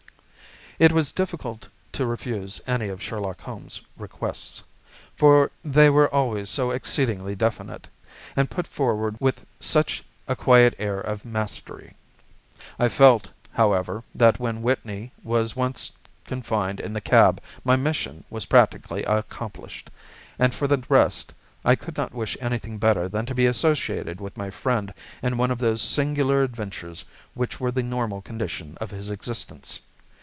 It was difficult to refuse any of Sherlock Holmes' requests, for they were always so exceedingly definite, and put forward with such a quiet air of mastery. I felt, however, that when Whitney was once confined in the cab my mission was practically accomplished; and for the rest, I could not wish anything better than to be associated with my friend in one of those singular adventures which were the normal condition of his existence.